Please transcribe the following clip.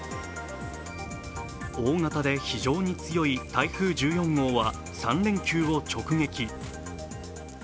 大型で非常に強い台風１４号は３連休を直撃。